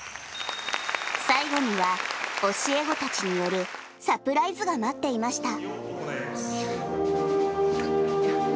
最後には、教え子たちによるサプライズが待っていました。